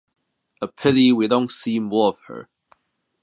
A pity we don't see more of her.